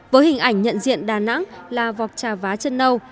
với hình ảnh nhận diện đà nẵng là vọc trà vá chân nâu